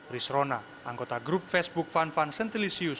risrona anggota grup facebook fanfan sentelisius